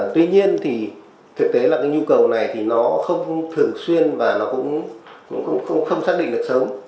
tuy nhiên thì thực tế là cái nhu cầu này thì nó không thường xuyên và nó cũng không xác định được sớm